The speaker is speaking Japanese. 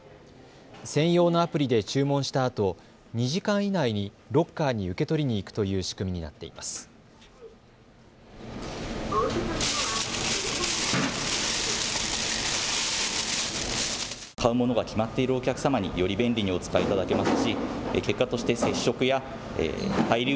専用のアプリで注文したあと２時間以内にロッカーに受け取りに行くという仕組みになっています。